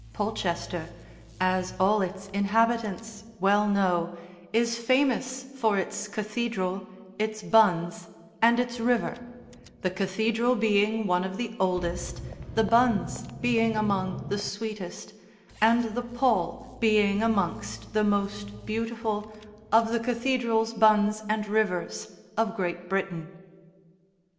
Polchester, as all its inhabitants well know, is famous for its cathedral, its buns, and its river, the cathedral being one of the oldest, the buns being among the sweetest, and the Pol being amongst the most beautiful of the cathedrals, buns and rivers of Great Britain.